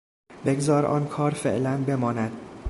بگذار آن کار فعلا بماند.